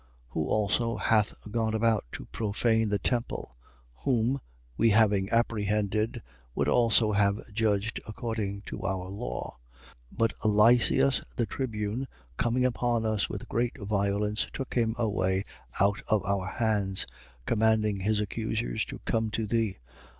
24:6. Who also hath gone about to profane the temple: whom, we having apprehended, would also have judged according to our law. 24:7. But Lysias the tribune, coming upon us with great violence, took him away out of our hands; 24:8. Commanding his accusers to come to thee.